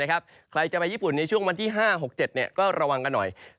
ใครจะไปญี่ปุ่นในช่วงวันที่๕๖๗ก็ระวังกันหน่อย